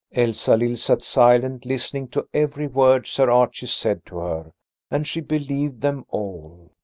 Elsalill sat silently listening to every word Sir Archie said to her, and she believed them all.